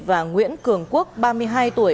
và nguyễn cường quốc ba mươi hai tuổi